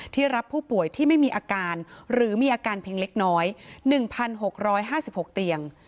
รับผู้ป่วยที่ไม่มีอาการหรือมีอาการเพียงเล็กน้อย๑๖๕๖เตียง